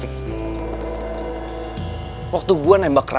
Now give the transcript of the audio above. waktu gua nembak raya raya nolak gua dia bilang dia lagi nggak mau pacaran